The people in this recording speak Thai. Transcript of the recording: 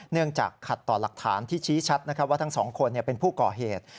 เนื่องจากขัดต่อหลักฐานที่ชี้ชัดว่าทั้งสองคนเป็นผู้ก่อเหตุ